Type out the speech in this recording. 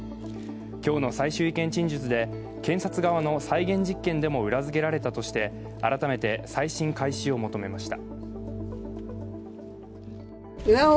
今日の最終意見陳述で検察側の再現実験でも裏付けられたとして改めて再審開始を求めました。